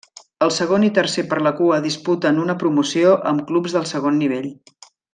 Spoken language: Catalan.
El segon i tercer per la cua disputen una promoció amb clubs del segon nivell.